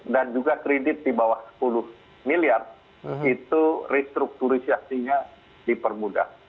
dan juga kredit di bawah rp sepuluh miliar itu restrukturisasi nya dipermudah